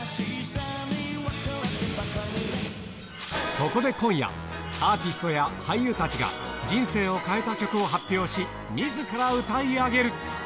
そこで今夜、アーティストや俳優たちが、人生を変えた曲を発表し、みずから歌い上げる。